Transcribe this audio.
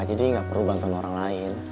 jadi gak perlu bantuin orang lain